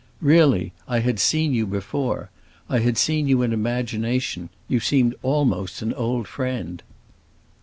Really, I had seen you before; I had seen you in imagination; you seemed almost an old friend.